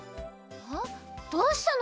どうしたの？